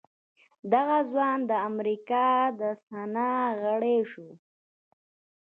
دغه ځوان د امريکا د سنا غړی شو.